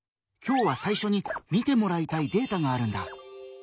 今日は最初に見てもらいたいデータがあるんだ。